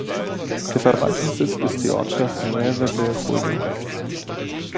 Der Verwaltungssitz ist die Ortschaft Nueve de Julio.